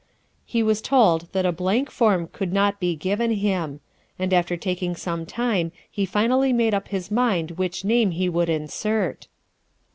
He was told that a blank form could not be given him; and after taking some time he finally made up his mind which name he would insert."